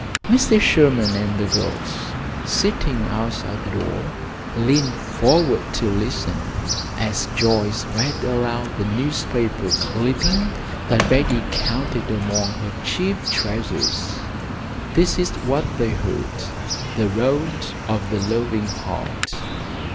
Mrs. Sherman and the girls, sitting outside the door, leaned forward to listen, as Joyce read aloud the newspaper clipping that Betty counted among her chief treasures. This is what they heard: "THE ROAD OF THE LOVING HEART."